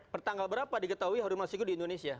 pertanggal berapa diketahui harun masiku di indonesia